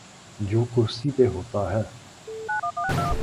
جو کرسی پہ ہوتا ہے۔